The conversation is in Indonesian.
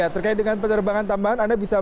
terkait dengan penerbangan tambahan anda bisa